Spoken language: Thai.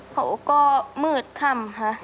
เขาก็มืดค่ำค่ะ